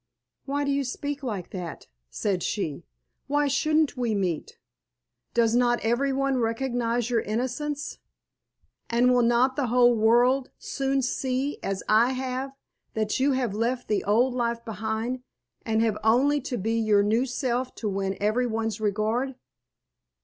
"Why do you speak like that?" said she. "Why shouldn't we meet? Does not everyone recognise your innocence, and will not the whole world soon see, as I have, that you have left the old life behind and have only to be your new self to win everyone's regard?"